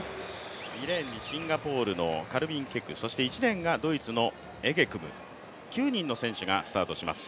２レーンにシンガポールのカルビンケク、そして１レーンがドイツのエゲクム９人の選手がスタートします。